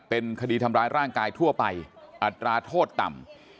เป็นคดีทำร้ายร่างกายทั่วไปอัตราโทษต่ำ